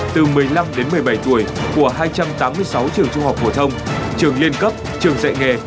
từ một mươi năm đến một mươi bảy tuổi của hai trăm tám mươi sáu trường trung học phổ thông trường liên cấp trường dạy nghề